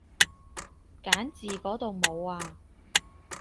揀字嗰度冇啊